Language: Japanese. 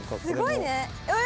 すごいねえ！